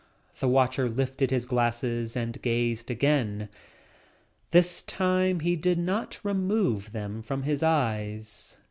The watcher lifted his glasses and gazed again. This time he did not re move them from his eyes.